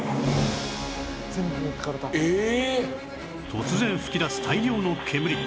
突然噴き出す大量の煙